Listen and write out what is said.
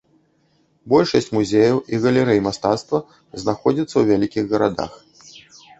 Большасць музеяў і галерэй мастацтва знаходзіцца ў вялікіх гарадах.